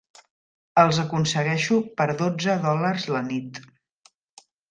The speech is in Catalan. Els aconsegueixo per dotze dòlars la nit.